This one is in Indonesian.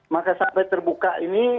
maka sampai terbuka ini